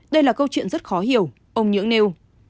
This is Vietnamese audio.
đây là câu chuyện rất khó hiểu ông nhưỡng nêu